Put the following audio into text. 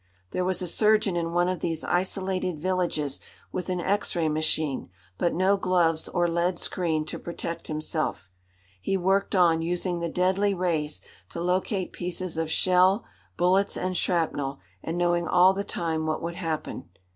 There was a surgeon in one of these isolated villages, with an X ray machine but no gloves or lead screen to protect himself. He worked on, using the deadly rays to locate pieces of shell, bullets and shrapnel, and knowing all the time what would happen.